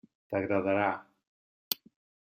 T'agradarà.